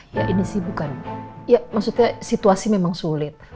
ya ini sih bukan ya maksudnya situasi memang sulit